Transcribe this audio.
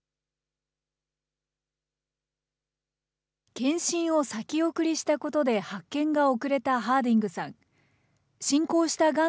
検診を先送りしたことで、発見が遅れたハーディングさん。